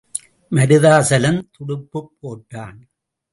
மருதாசலம் துடுப்புப் போட்டான்.